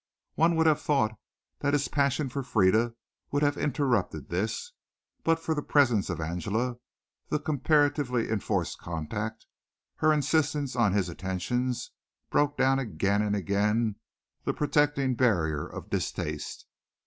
One would have thought that his passion for Frieda would have interrupted this, but the presence of Angela, the comparatively enforced contact, her insistence on his attentions, broke down again and again the protecting barrier of distaste.